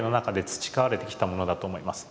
培われてきたものだと思います。